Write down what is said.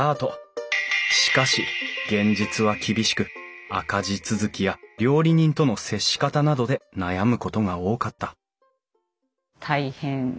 しかし現実は厳しく赤字続きや料理人との接し方などで悩むことが多かった